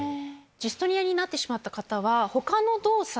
ジストニアになってしまった方は。